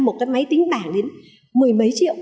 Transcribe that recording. một cái máy tính bảng đến mười mấy triệu